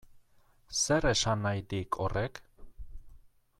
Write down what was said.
Zer esan nahi dik horrek?